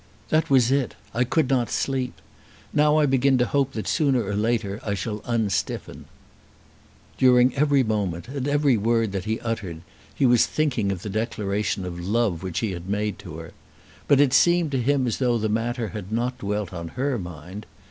"That was it. I could not sleep. Now I begin to hope that sooner or later I shall unstiffen." During every moment, at every word that he uttered, he was thinking of the declaration of love which he had made to her. But it seemed to him as though the matter had not dwelt on her mind.